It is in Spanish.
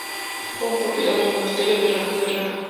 Ambas fueron propiedad del monasterio de Herrera.